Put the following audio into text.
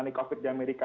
dan di covid di amerika